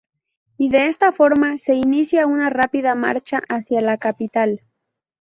Y de esta forma se inicia una rápida marcha hacia la capital.